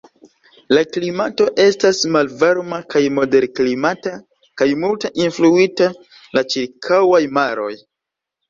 La klimato estas malvarma kaj moderklimata kaj multe influita de la ĉirkaŭaj maroj.